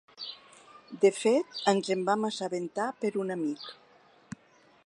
De fet ens en vam assabentar per un amic.